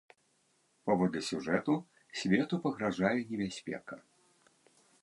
Паводле сюжэту, свету пагражае небяспека.